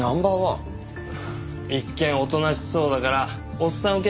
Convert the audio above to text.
一見おとなしそうだからおっさん受けがいいんすよ。